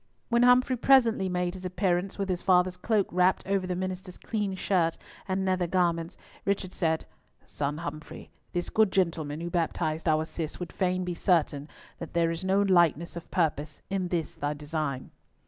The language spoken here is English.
When Humfrey presently made his appearance with his father's cloak wrapped over the minister's clean shirt and nether garments, Richard said, "Son Humfrey, this good gentleman who baptized our Cis would fain be certain that there is no lightness of purpose in this thy design."